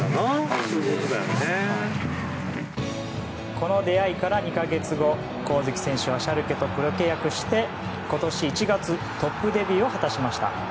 この出会いから２か月後上月選手はシャルケとプロ契約し今年１月トップチームデビューを果たしました。